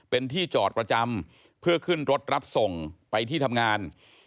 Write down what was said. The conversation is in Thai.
เป็นที่จอดประจำเพื่อขึ้นรถรับส่งไปที่ทำงาน